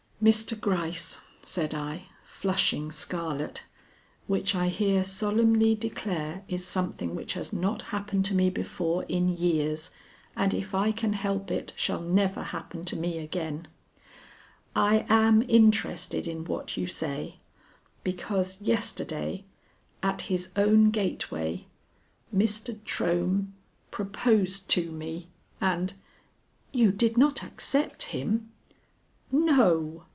"Mr. Gryce," said I, flushing scarlet which I here solemnly declare is something which has not happened to me before in years, and if I can help it shall never happen to me again, "I am interested in what you say, because yesterday, at his own gateway, Mr. Trohm proposed to me, and " "You did not accept him?" "No.